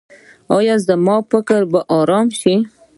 ایا زما فکر به ارام شي؟